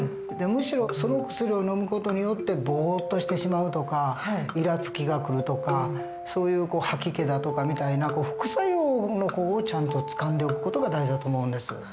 でむしろその薬をのむ事によってぼっとしてしまうとかいらつきがくるとかそういう吐き気だとかみたいな副作用の方をちゃんとつかんでおく事が大事だと思うんです。